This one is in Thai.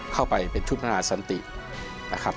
เข้าไปเป็นชุดนาสันตินะครับ